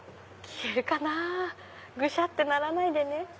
切れるかなぐしゃ！ってならないでね。